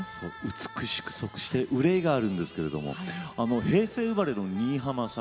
美しくそして愁いがあるんですけれども平成生まれの新浜さん。